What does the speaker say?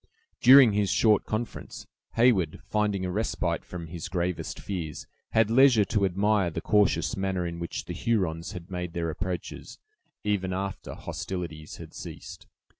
During his short conference, Heyward, finding a respite from his gravest fears, had leisure to admire the cautious manner in which the Hurons had made their approaches, even after hostilities had ceased.